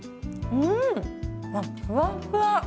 うわっふわっふわ。